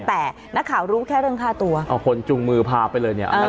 แต่นักข่าวรู้แค่เรื่องฆ่าตัวเอาคนจุงมือพาไปเลยเนี่ย